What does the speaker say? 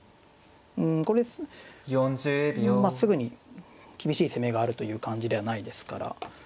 うんこれまあすぐに厳しい攻めがあるという感じではないですから。